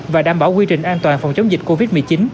và đảm bảo quy trình an toàn phòng chống dịch covid một mươi chín